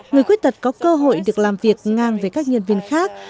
người khuyết tật có cơ hội được làm việc ngang với các nhân viên khác